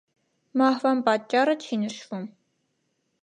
Մահվան պատճառը չի նշվում։